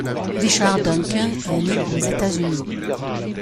Richard Duncan est né aux États-Unis.